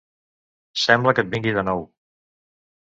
Sembla que et vingui de nou.